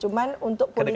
cuman untuk politik